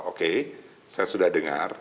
okay saya sudah dengar